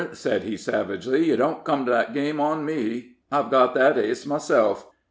] "Hang yer," said he, savagely; "yer don't come that game on me. I've got that ace myself."